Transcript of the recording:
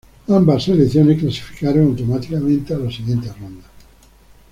Ambas selecciones clasificaron automáticamente a la siguiente ronda.